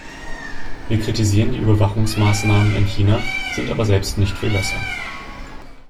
Wir kritisieren die Überwachungsmaßnahmen in China, sind aber selbt nicht viel besser.